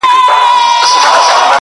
• د رباب او سارنګ له شرنګ سره دادی -